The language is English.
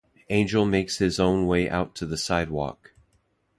Angel makes his own way out to the sidewalk.